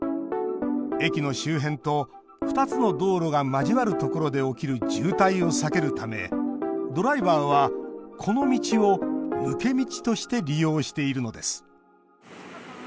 駅の周辺と２つの道路が交わるところで起きる渋滞を避けるためドライバーはこの道を抜け道として利用しているのです。